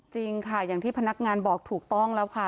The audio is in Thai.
จริงค่ะอย่างที่พนักงานบอกถูกต้องแล้วค่ะ